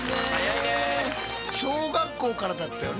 小学校からだったよね？